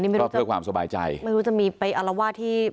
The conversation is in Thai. ไม่รู้จะมีไปอัลว่าที่